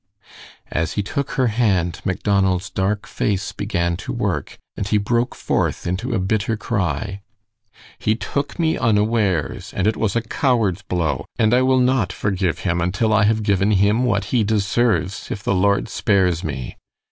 As he took her hand, Macdonald's dark face began to work, and he broke forth into a bitter cry. "He took me unawares! And it was a coward's blow! and I will not forgive him until I have given him what he deserves, if the Lord spares me!"